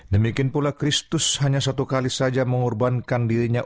demikian pula kristus hanya satu kali saja mengorbankan dirinya